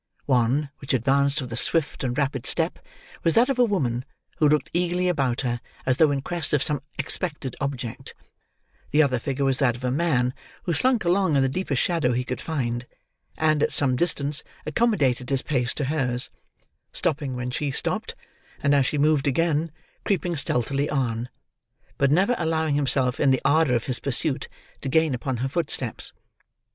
One, which advanced with a swift and rapid step, was that of a woman who looked eagerly about her as though in quest of some expected object; the other figure was that of a man, who slunk along in the deepest shadow he could find, and, at some distance, accommodated his pace to hers: stopping when she stopped: and as she moved again, creeping stealthily on: but never allowing himself, in the ardour of his pursuit, to gain upon her footsteps.